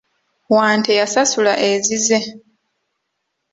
Wante yasasula ezize.